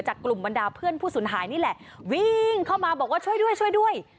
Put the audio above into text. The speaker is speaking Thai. กลุ่มบรรดาเพื่อนผู้สูญหายนี่แหละวิ่งเข้ามาบอกว่าช่วยด้วยช่วยด้วย